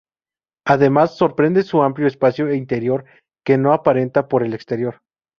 Además, sorprende su amplio espacio interior que no aparenta por el exterior.